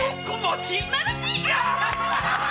まぶしいっ！